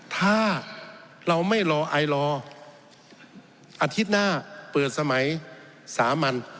ถ้าเราไม่รอไอลอร์อาทิตย์หน้าเปิดสมัยสามัญ